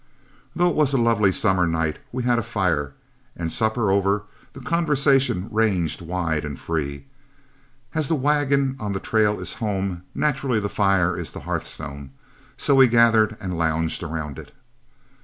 Though it was a lovely summer night, we had a fire, and supper over, the conversation ranged wide and free. As the wagon on the trail is home, naturally the fire is the hearthstone, so we gathered and lounged around it.